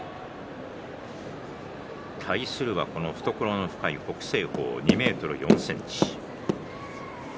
対するは懐の深い北青鵬、２ｍ４ｃｍ。